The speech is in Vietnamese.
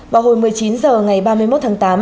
vào hồi một mươi chín h ngày ba mươi một tháng tám